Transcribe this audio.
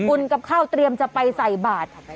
อุ่นกับข้าวเตรียมจะไปใส่บาตร